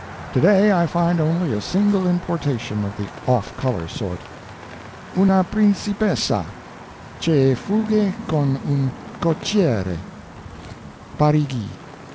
Today I find only a single importation of the off color sort: Una Principessa che fugge con un cocchiere PARIGI, 24.